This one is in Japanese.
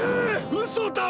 うそだろ！？